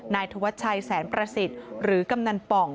นายธวัชชัยแสนประสิทธิ์หรือกำนันป่อง